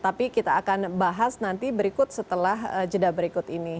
tapi kita akan bahas nanti berikut setelah jeda berikut ini